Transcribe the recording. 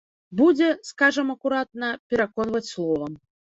Будзе, скажам акуратна, пераконваць словам.